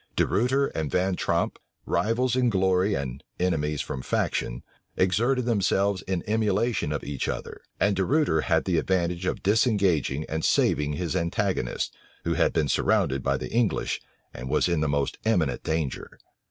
De Ruyter and Van Tromp, rivals in glory and enemies from faction, exerted themselves in emulation of each other; and De Ruyter had the advantage of disengaging and saving his antagonist, who had been surrounded by the English, and was in the most imminent danger.